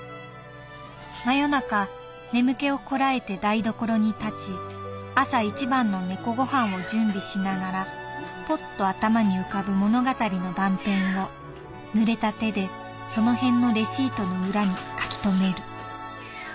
真夜中眠気をこらえて台所に立ち朝一番の猫ごはんを準備しながらポッと頭に浮かぶ物語の断片を濡れた手でそのへんのレシートの裏に書き留める」。